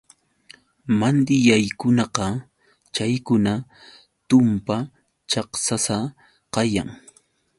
Mandilllaykunaqa chaykuna tumpa chaksasa kayan.